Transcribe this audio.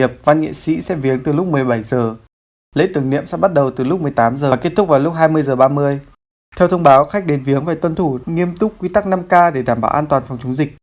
theo thông báo khách đến viếng phải tuân thủ nghiêm túc quy tắc năm k để đảm bảo an toàn phòng chống dịch